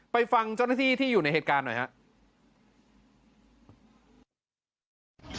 ฟังเจ้าหน้าที่ที่อยู่ในเหตุการณ์หน่อยครับ